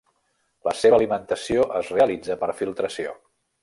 La seva alimentació es realitza per filtració.